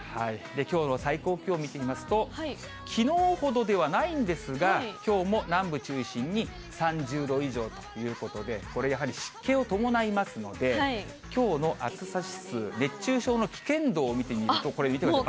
きょうの最高気温見てみますと、きのうほどではないんですが、きょうも南部中心に３０度以上ということで、これやはり湿気を伴いますので、きょうの暑さ指数、熱中症の危険度を見てみると、これ見てください。